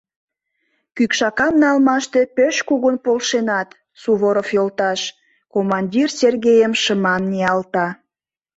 Кӱкшакам налмаште пеш кугун полшенат, Суворов йолташ! — командир Сергейым шыман ниялта.